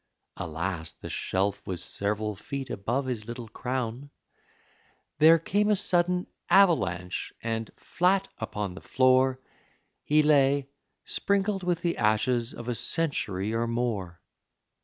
(Alas! the shelf was several feet above his little crown.) There came a sudden avalanche, and flat upon the floor He lay, sprinkled with the ashes of a century or more!